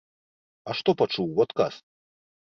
А што пачуў у адказ?